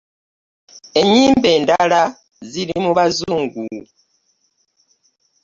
Enyimba endala ziri mu bazungu.